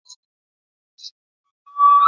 په شریعت کي د ذمي ژوند محترم دی.